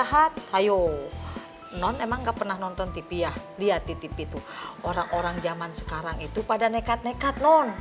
hayo hayo emang gak pernah nonton tv ya dia di tv tuh orang orang zaman sekarang itu pada nekat nekat